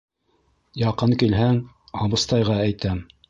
Яҡын килһәң, абыстайға әйтәм!